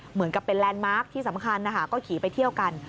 เหมือนกับเป็นแลนด์มาร์คที่สำคัญนะคะก็ขี่ไปเที่ยวกัน